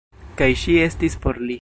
Kaj Ŝi estis por Li.